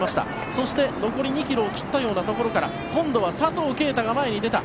そして残り２ｋｍを切ったところから今度は佐藤圭汰が前に出た。